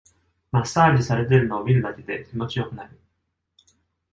マッサージされてるのを見るだけで気持ちよくなる